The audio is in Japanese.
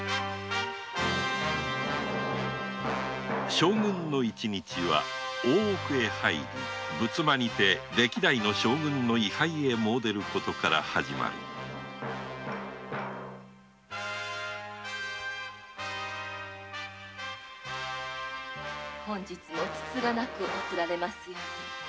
将軍の一日は大奥へ入り仏間にて歴代将軍の位牌へ詣でることから始まる本日もつつがなく送られますように。